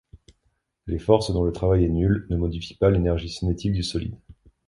Les forces dont le travail est nul ne modifient pas l'énergie cinétique du solide.